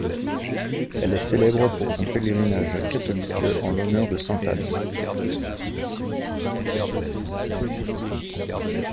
Elle est célèbre pour son pèlerinage catholique en l'honneur de sainte Anne.